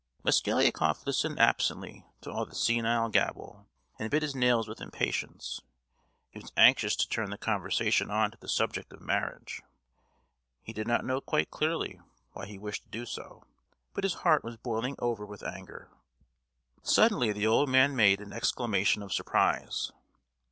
Mosgliakoff listened absently to all this senile gabble, and bit his nails with impatience. He was anxious to turn the conversation on to the subject of marriage. He did not know quite clearly why he wished to do so, but his heart was boiling over with anger. Suddenly the old man made an exclamation of surprise.